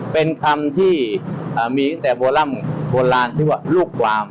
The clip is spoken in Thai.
เป็นคำที่มีตั้งแต่โบร่ำโบราณที่ว่าลูกความ